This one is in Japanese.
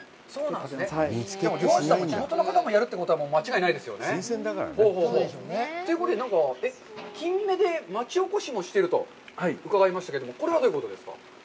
漁師さんも、地元の方もやるということは、間違いないですよね。ということで、なんかキンメで町おこしもしていると伺いましたけども、これはどういうことですか。